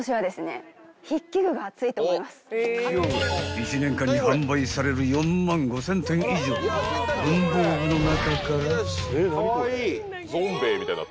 ［１年間に販売される４万５，０００点以上の文房具の中から］